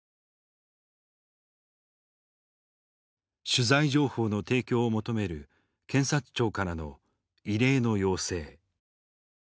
取材情報の提供を求める検察庁からの異例の要請。